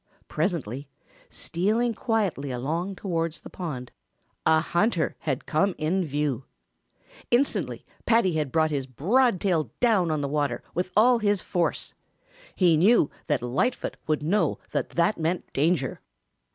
Presently, stealing quietly along towards the pond, a hunter had come in view. Instantly, Paddy had brought his broad tail down on the water with all his force. He knew that Lightfoot would know that that meant danger.